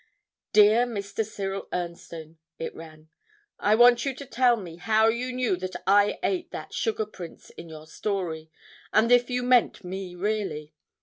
'Dear Mr. Ciril Ernstone,' it ran, 'I want you to tell me how you knew that I ate that sugar prince in your story, and if you meant me really.